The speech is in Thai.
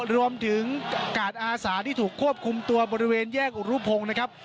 รวมถึงกาดอาสาที่ถูกควบคุมตัวบริเวณแยกอุรุพงศ์นะครับ